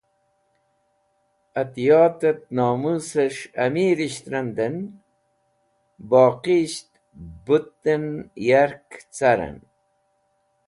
Atyat nomũsẽs̃h amirisht randẽn boqis̃h kũtan yark carẽn.